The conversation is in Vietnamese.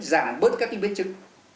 giảm bớt các cái biến chứng